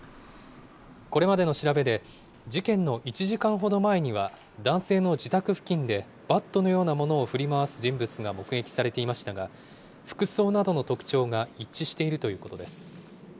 これまでの調べで、事件の１時間ほど前には、男性の自宅付近でバットのようなものを振り回す人物が目撃されていましたが、服装などの特徴が一致しているということです。